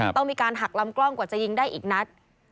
ต้องมีการหักลำกล้องกว่าจะยิงได้อีกนัด